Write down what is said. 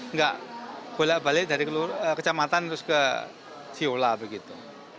nggak bolak balik dari kecamatan terus ke siola begitu